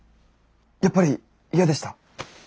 やっぱり嫌でした？